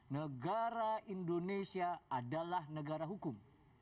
negara indonesia adalah negara hukum